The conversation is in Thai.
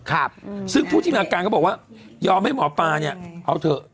ครับซึ่งผู้ที่เป็นอาการเขาบอกว่ายอมให้หมอปลานี่เอาเถอะ